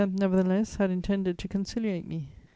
nevertheless had intended to conciliate me.